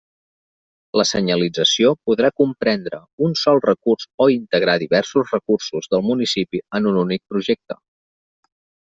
La senyalització podrà comprendre un sol recurs o integrar diversos recursos del municipi en un únic projecte.